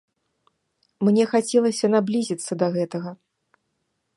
Мне хацелася наблізіцца да гэтага.